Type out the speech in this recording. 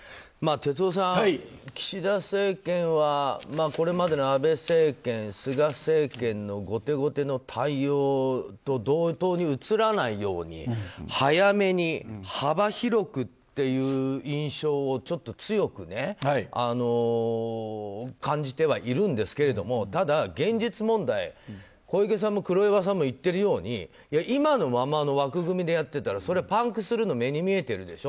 哲夫さん、岸田政権はこれまでの安倍政権、菅政権の後手後手の対応と同等に映らないように早めに幅広くっていう印象をちょっと強く感じてはいるんですけれどもただ、現実問題小池さんも黒岩さんも言っているように今のままの枠組みでやってたらそりゃ、パンクするの目に見えてるでしょ。